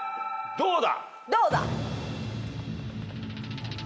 どうだ？